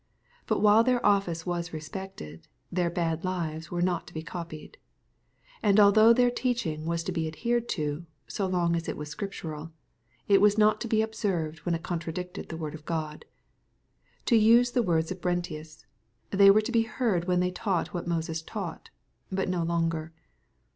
But while their office was respected, their bad lives were not to be copied. And although their teaching was to be adhered to, so long as it was Scriptural, it was not to be observed when it contradicted the Word of God. To use the words of Brentius, " They were to be heard when they taught what Moses taught," but no longer.